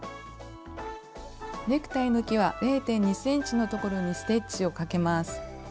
ネクタイのきわ０．２ｃｍのところにステッチをかけます。